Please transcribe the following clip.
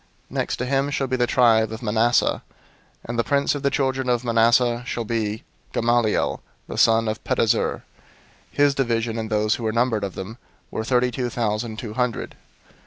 002:020 "Next to him shall be the tribe of Manasseh: and the prince of the children of Manasseh shall be Gamaliel the son of Pedahzur. 002:021 His division, and those who were numbered of them, were thirty two thousand two hundred.